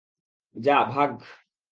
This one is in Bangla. যা, ভাগ!